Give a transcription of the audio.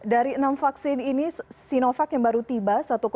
dari enam vaksin ini sinovac yang baru tiba